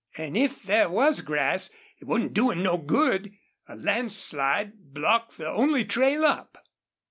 "An' if there was grass it wouldn't do him no good. A landslide blocked the only trail up."